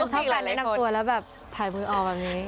ชอบแฟนที่นั่งตัวแล้วแบบผ่านมือออกแบบนี้